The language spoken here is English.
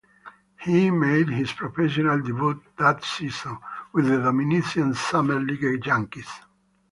He made his professional debut that season with the Dominican Summer League Yankees.